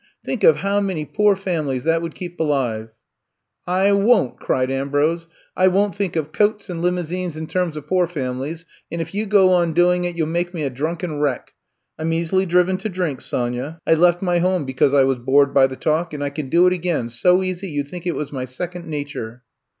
Think of how many poor families that would keep alive 1'' I won%" cried Ambrose. I won't think of coats and limousines in terms of poor families, and if you go on doing it you '11 make me a drunken wreck. I 'm easily driven to drink, Sonya. I left my home because I was bored by the talk, and I can do it again so easy you 'd think it was my second nature."